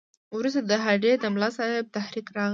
وروسته د هډې د ملاصاحب تحریک راغی.